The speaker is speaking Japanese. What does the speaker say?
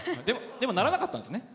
でもならなかったんですね。